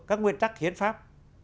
các nguyên tắc hiến pháp